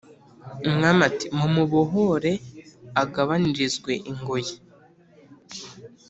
umwami ati"mumubohore agabanirizwe ingoyi"